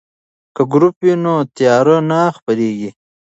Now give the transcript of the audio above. که ګروپ وي نو تیاره نه خپریږي.